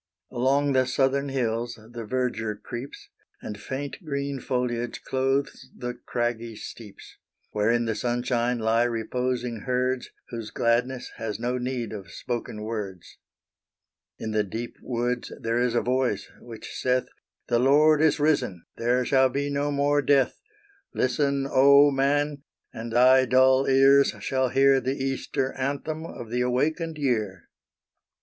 Along the southern hills the verdure creeps, And faint green foliage clothes the craggy steeps, Where in the sunshine lie reposing herds. Whose gladness has no need of spoken words. In the deep woods there is a voice, which saith "The Lord is risen there shall be no more death! Listen, Oh Man! and thy dull ears shall hear The Easter Anthem of the awakened year."